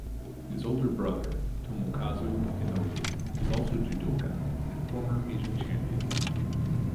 His older brother, Tomokazu Inoue is also judoka and former Asian champion.